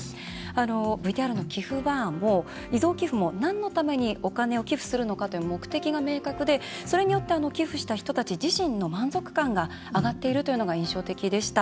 ＶＴＲのキフバーも遺贈寄付も、なんのためにお金を寄付するのかという目的が明確でそれによって寄付した人たち自身の満足感が上がっているのが印象的でした。